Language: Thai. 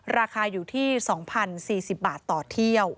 ราคาอยู่ที่๒๐๔๐บาทต่อเที่ยว